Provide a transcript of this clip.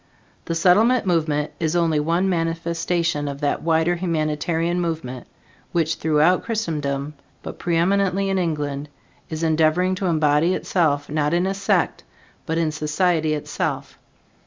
The Settlement movement is only one manifestation of that wider humanitarian movement which throughout Christendom, but pre eminently in England, is endeavoring to embody itself, not in a sect, but in society itself.